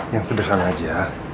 yang sederhana aja